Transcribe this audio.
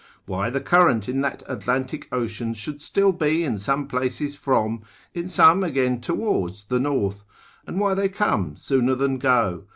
Why the current in that Atlantic Ocean should still be in some places from, in some again towards the north, and why they come sooner than go?